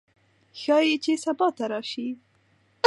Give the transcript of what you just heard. ښايي چې سبا ته راشي